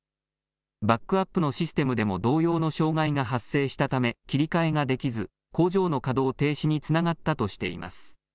バックアップのシステムでも同様の障害が発生したため、切り替えができず、工場の稼働停止につながったとしています。